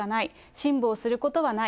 辛抱することはない。